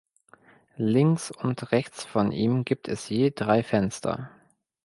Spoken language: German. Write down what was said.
Links und rechts von ihm gibt es je drei Fenster.